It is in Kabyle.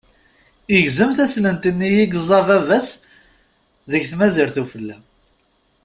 Igzem taslent-nni i yeẓẓa baba-s deg tmazirt ufella.